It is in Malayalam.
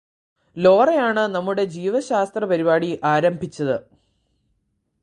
ലോറയാണ് നമ്മുടെ ജീവശാസ്ത്ര പരിപാടി ആരംഭിച്ചത്